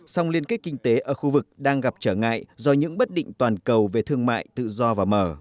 song liên kết kinh tế ở khu vực đang gặp trở ngại do những bất định toàn cầu về thương mại tự do và mở